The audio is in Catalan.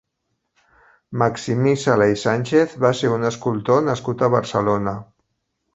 Maximí Sala i Sánchez va ser un escultor nascut a Barcelona.